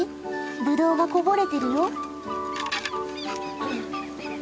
ブドウがこぼれてるよ！